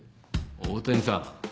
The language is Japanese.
大谷さん